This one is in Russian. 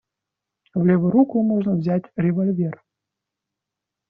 В левую руку можно взять револьвер.